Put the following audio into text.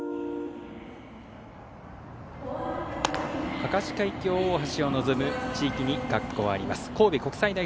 明石海峡大橋を臨む地域に学校があります。